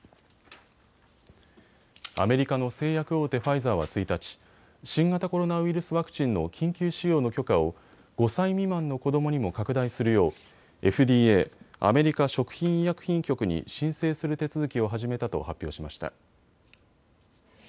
アメリカの製薬大手、ファイザーは１日、新型コロナウイルスワクチンの緊急使用の許可を５歳未満の子どもにも拡大するようＦＤＡ・アメリカ食品医薬品局に申請する手続きを始めたと発表しました。